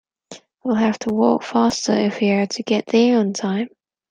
We'll have to walk faster if we are to get there in time.